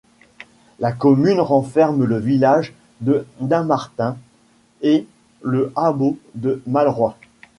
La commune renferme le village de Dammartin et le hameau de Malroy.